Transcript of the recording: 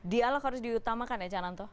dialog harus diutamakan ya cananto